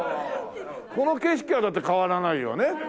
この景色はだって変わらないよね？